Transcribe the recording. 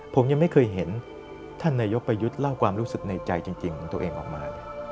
ผมยังไม่เคยเห็นท่านนายกประยุทธ์เล่าความรู้สึกในใจจริงของตัวเองออกมา